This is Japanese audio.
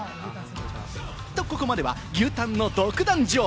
ここまでは牛タンの独壇場。